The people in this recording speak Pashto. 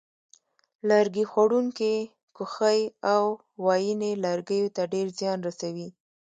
لرګي خوړونکې کوخۍ او وایینې لرګیو ته ډېر زیان رسوي.